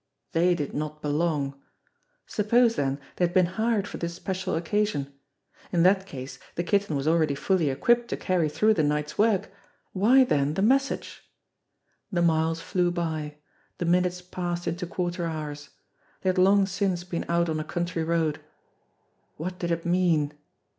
They did not belong! Suppose then they had been hired for this special occasion? In that case the Kitten was already fully equipped to carry through the night's work. Why, then, the message? The miles flew by ; the minutes passed into quarter hours. They had long since been out on a country road. What did it mean